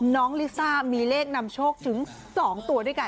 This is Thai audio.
ลิซ่ามีเลขนำโชคถึง๒ตัวด้วยกัน